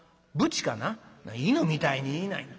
「犬みたいに言いないな」。